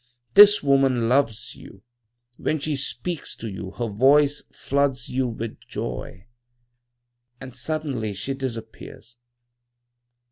This woman loves you. When she speaks to you her voice floods you with joy. "And suddenly she disappears!